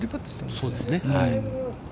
そうですね。